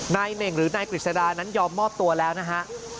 เน่งหรือนายกฤษดานั้นยอมมอบตัวแล้วนะฮะ